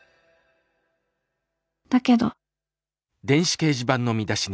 だけど」。